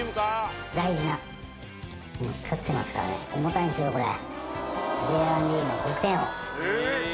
もう光ってますからね重たいんですよこれ。